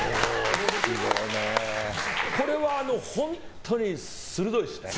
これは本当に鋭いですね。